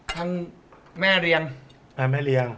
ทางแม่เรียน